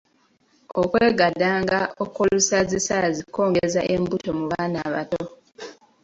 Okwegadanga okwolusaazisaazi kwongezza embuto mu baana abato.